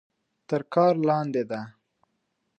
تر کار لاندې ده.